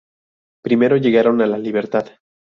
Primero llegaron a La Libertad.